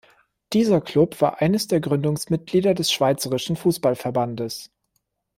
Dieser Club war eines der Gründungsmitglieder des Schweizerischen Fussballverbandes.